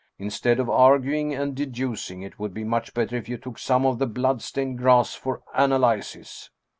Instead of arguing and deducing, it would be much better if you took some of the blood stained grass for analysis